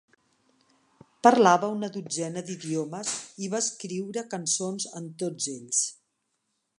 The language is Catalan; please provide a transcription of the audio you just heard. Parlava una dotzena d'idiomes i va escriure cançons en tots ells.